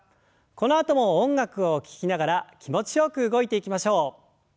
このあとも音楽を聞きながら気持ちよく動いていきましょう。